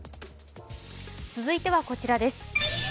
続いてはこちらです。